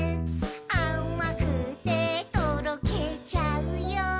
「あまくてとろけちゃうよ」